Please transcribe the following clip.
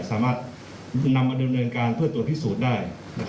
สามารถนำมาดำเนินการเพื่อตรวจพิสูจน์ได้